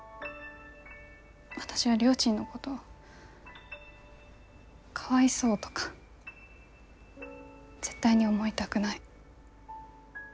私はりょーちんのことかわいそうとか絶対に思いたくない。